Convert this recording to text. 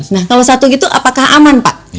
nah kalau satu gitu apakah aman pak